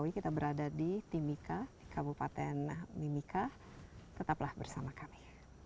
institut pertambangan nembaga kita berada di timika kabupaten timika tetaplah bersama kami